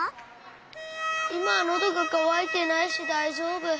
いまはのどがかわいてないしだいじょうぶ。